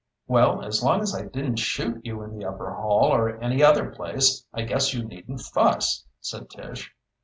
"Well, as long as I didn't shoot you in the upper hall or any other place, I guess you needn't fuss," said Tish.